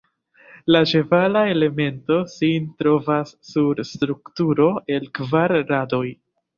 La ĉevala elemento sin trovas sur strukturo el kvar radoj.